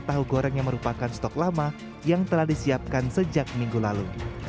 tahu goreng yang merupakan stok lama yang telah disiapkan sejak minggu lalu